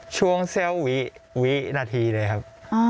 ช่วงเซี่ยววินาทีเลยครับ